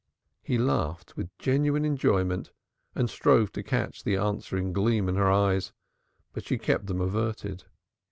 He laughed with genuine enjoyment and strove to catch the answering gleam in her eyes, but she kept them averted.